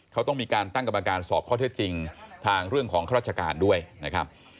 เขาต้องมีการตั้งกรรมการสอบข้อเท็จจริงทางเรื่องของข้าราชการด้วยนะครับ